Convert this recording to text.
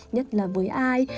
nhất là với ai